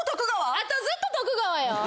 あとずっと徳川よ！